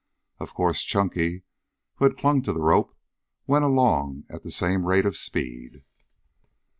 Of course Chunky, who had clung to the rope, went along at the same rate of speed.